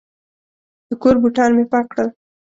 د کور بوټان مې پاک کړل.